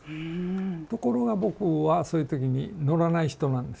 ところが僕はそういう時に乗らない人なんですよね。